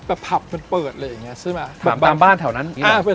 แบบผับมันเปิดอะไรอย่างนี้ใช่ไหม